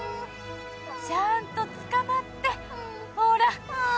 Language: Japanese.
ちゃんとつかまってほら。